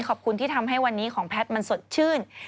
ขอบคุณที่ทำให้วันนี้ของแพทย์มันสดชื่น